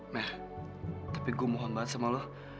meh tapi gue mohon banget sama lo